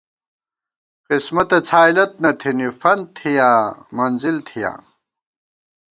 قسمتہ څھائیلت نہ تھنی فنت تھِیاں منزل تھِیاں